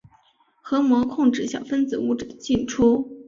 核膜控制小分子物质的进出。